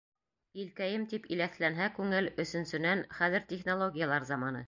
Илкәйем, тип иләҫләнһә күңел, Өсөнсөнән, хәҙер — технологиялар заманы.